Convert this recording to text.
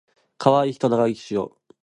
かわいいひと長生きしよ